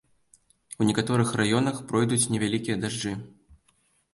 У некаторых раёнах пройдуць невялікія дажджы.